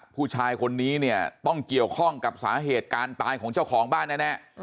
ผู้ชายคนนี้เนี่ยต้องเกี่ยวข้องกับสาเหตุการณ์ตายของเจ้าของบ้านแน่